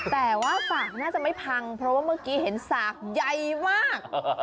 แต่ว่าสากน่าจะไม่พังเพราะว่าเมื่อกี้เห็นสากใหญ่มาก